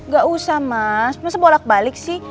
gak usah mas maksudnya bolak balik sih